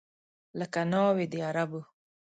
لکه ناوې د عربو